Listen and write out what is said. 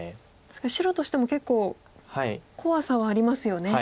確かに白としても結構怖さはありますよね